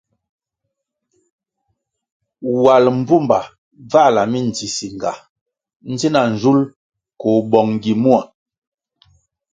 Wal mbpumba bvahla mindzisinga ndzina nzul koh bong gi mua.